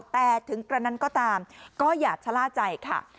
แต่ถึงกระนั้นก็ตามก็อย่าชะล่าใจค่ะ